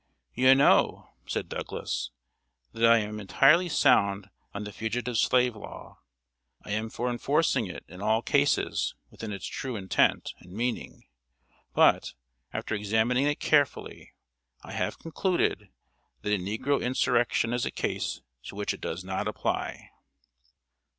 'You know,' said Douglas, 'that I am entirely sound on the Fugitive Slave Law. I am for enforcing it in all cases within its true intent and meaning; but, after examining it carefully, I have concluded that a negro insurrection is a case to which it does not apply.'"